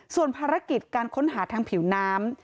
ส่วนภารกิจการค้นหาทางผิวน้ำ